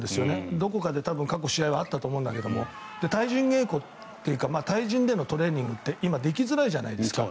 どこかで過去試合はあったと思うんだけど対人稽古というか対人でのトレーニングって今、できづらいじゃないですか。